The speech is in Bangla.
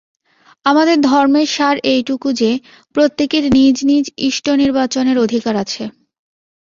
আমাদের ধর্মের সার এইটুকু যে, প্রত্যকের নিজ নিজ ইষ্ট-নির্বাচনের অধিকার আছে।